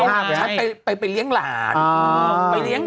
อาจารย์เขาไปเลี้ยงหลาน